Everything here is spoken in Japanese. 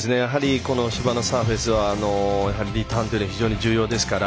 芝のサーフェスはリターンというのは非常に重要ですから。